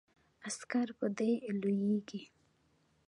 عسکر په دې لویږي.